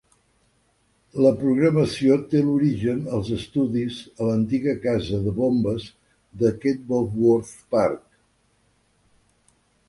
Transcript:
La programació té l'origen als estudis a l'antiga casa de bombes de Knebworth Park.